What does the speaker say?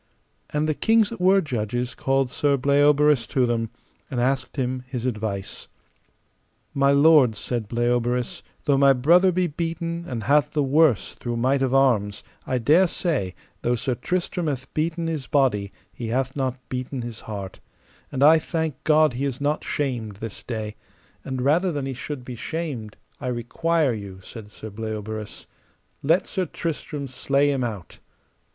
And the kings that were judges called Sir Bleoberis to them, and asked him his advice. My lords, said Bleoberis, though my brother be beaten, and hath the worse through might of arms, I dare say, though Sir Tristram hath beaten his body he hath not beaten his heart, and I thank God he is not shamed this day; and rather than he should be shamed I require you, said Bleoberis, let Sir Tristram slay him out.